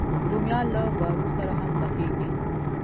رومیان له بارو سره هم پخېږي